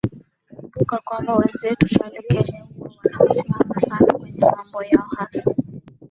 kumbuka kwamba wenzetu pale kenya huwa wana msimamo sana kwenye mambo yao hasa